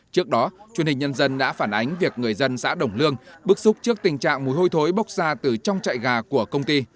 trước đó truyền hình nhân dân đã phản ánh việc người dân xã đồng lương bức xúc trước tình trạng mùi hôi thối bốc ra từ trong chạy gà của công ty